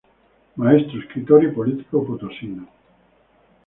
Maestro, escritor y político potosino.